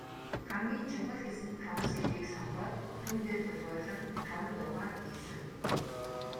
Хамгийн чухал гэсэн таван сэдвийг сонгоод, түүндээ тулгуурлан таван дуугаа хийсэн.